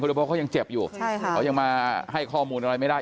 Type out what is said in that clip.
เพราะเขายังเจ็บอยู่เขายังมาให้ข้อมูลอะไรไม่ได้